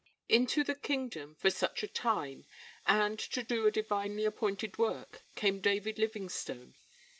Into the kingdom for such a time, and to do a divinely appointed work, came David Livingstone.